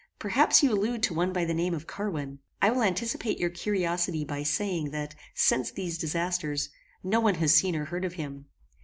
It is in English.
Perhaps you allude to one by the name of Carwin. I will anticipate your curiosity by saying, that since these disasters, no one has seen or heard of him.